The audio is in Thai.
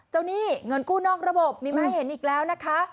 หนี้เงินกู้นอกระบบมีมาให้เห็นอีกแล้วนะคะ